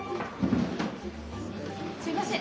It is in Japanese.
・すいません。